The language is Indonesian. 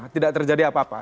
tidak terjadi apa apa